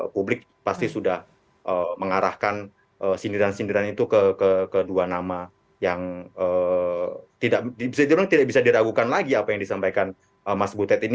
publik pasti sudah mengarahkan sindiran sindiran itu ke kedua nama yang tidak bisa diragukan lagi apa yang disampaikan mas butet ini